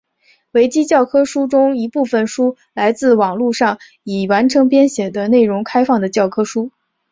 维基教科书中一部分书来自网路上已完成编写的内容开放的教科书。